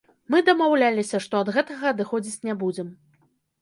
Мы дамаўляліся, што ад гэтага адыходзіць не будзем.